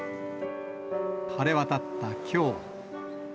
晴れ渡ったきょう。